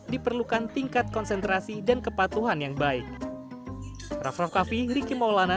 diperlukan tingkat konsentrasi dan kepatuhan yang baik